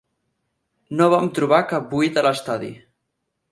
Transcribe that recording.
No vam trobar cap buit a l'estadi.